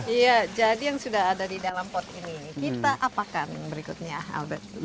iya jadi yang sudah ada di dalam pot ini kita apakan berikutnya albert